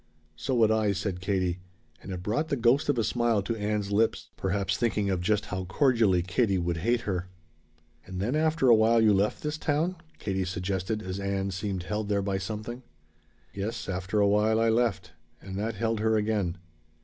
"So would I," said Katie, and it brought the ghost of a smile to Ann's lips, perhaps thinking of just how cordially Katie would hate her. "And then after a while you left this town?" Katie suggested as Ann seemed held there by something. "Yes, after a while I left." And that held her again.